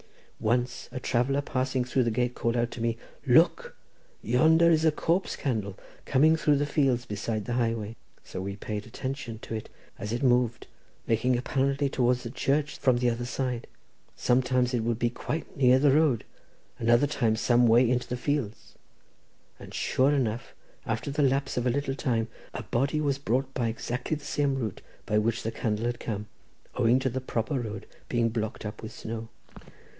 "Once a traveller passing through the gate called out to me: 'Look! yonder is a corpse candle coming through the fields beside the highway.' So we paid attention to it as it moved, making apparently towards the church from the other side. Sometimes it would be quite near the road, another time some way into the fields. And sure enough after the lapse of a little time a body was brought by exactly the same route by which the candle had come, owing to the proper road being blocked up with snow.